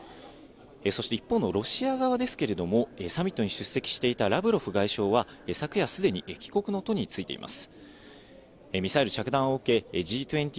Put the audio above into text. そして一方のロシア側ですけれども、サミットに出席していたラブロフ外相は昨夜、すでに帰国の途についています。